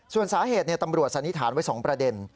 ส่วนสาเหตุตำรวจสันนิษฐานไว้๒ประเด็น